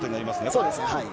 そうですね。